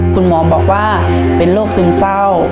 คุณหมอบอกว่าเป็นโรคซึมเศร้า